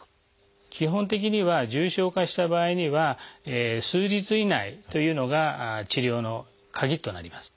基本的には重症化した場合には数日以内というのが治療のカギとなります。